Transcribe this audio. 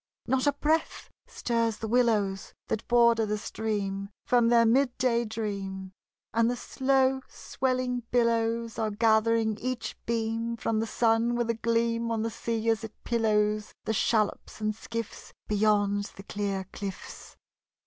Not a breath stirs the willows, That border the stream, From their mid day dream; And the slow swelling billows LOVE LIES A COLD. 43 Are gathering each beam From the sun, with a gleam On the sea as it pillows The shallops and skiffs Beyond the clear cliffs.